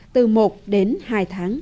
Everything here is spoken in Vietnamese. từ một đến hai tháng